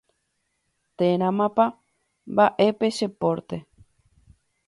térãpa mba'e pe che pórte